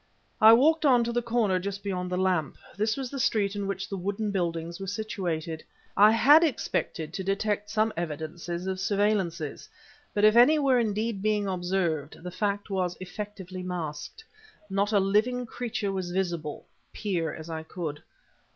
I walked on to the corner just beyond the lamp. This was the street in which the wooden buildings were situated. I had expected to detect some evidences of surveillances, but if any were indeed being observed, the fact was effectively masked. Not a living creature was visible, peer as I could.